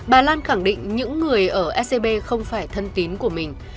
bà lan khẳng định những người ở ecb không phải thân tín của mình